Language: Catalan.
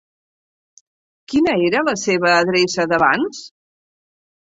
Quina era la seva adreça d'abans?